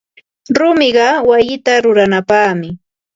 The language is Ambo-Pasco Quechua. Rumiqa wayita ruranapaqmi.